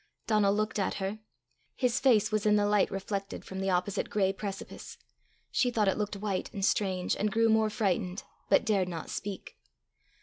Donal looked at her; his face was in the light reflected from the opposite gray precipice: she thought it looked white and strange, and grew more frightened, but dared not speak.